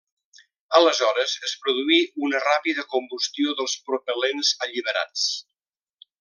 Aleshores es produí una ràpida combustió dels propel·lents alliberats.